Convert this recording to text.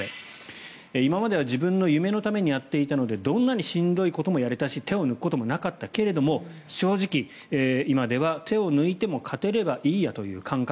今までは自分の夢のためにやっていたのでどんなにしんどいこともやれたし手を抜くこともなかったけれども正直、今では手を抜いても勝てればいいという感覚。